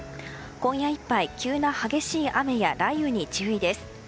今夜いっぱい急な激しい雨や雷雨に注意です。